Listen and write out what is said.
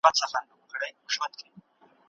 اجرات باید تل د دقیقو معلوماتو په واسطه عیار سي.